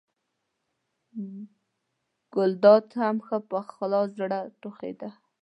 ګلداد هم ښه په خلاص زړه ټوخېده.